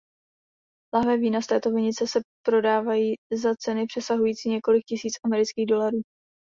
Lahve vína z této vinice se prodávají za ceny přesahující několik tisíc amerických dolarů.